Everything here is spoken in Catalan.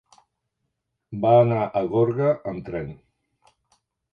Va anar a Gorga amb tren.